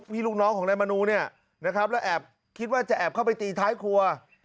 ลูกน้องของนายมนูเนี่ยนะครับแล้วแอบคิดว่าจะแอบเข้าไปตีท้ายครัว